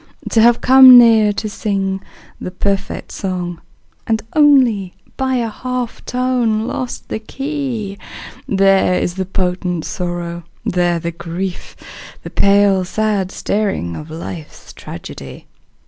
To have come near to sing the perfect song And only by a half tone lost the key, There is the potent sorrow, there the grief, The pale, sad staring of life's tragedy.